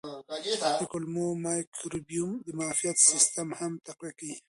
د کولمو مایکروبیوم د معافیت سیستم هم تقویه کوي.